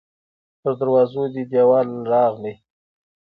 تر دروازو دې دیوال راغلی